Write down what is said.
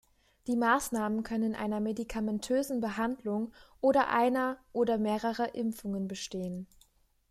Die Maßnahmen können in einer medikamentösen Behandlung oder einer oder mehrerer Impfungen bestehen.